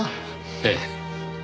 ええ。